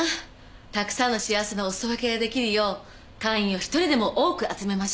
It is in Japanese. たくさんの幸せのおすそ分けができるよう会員を一人でも多く集めましょう。